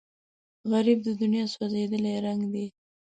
غریب د دنیا سوځېدلی رنګ دی